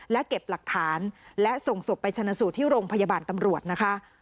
และเก็บหลักฐานและส่งศพไปชนะสูตรที่โรงพยาบาลตำรวจนะคะ